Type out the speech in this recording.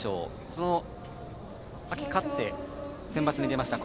その秋に勝ってセンバツに出ました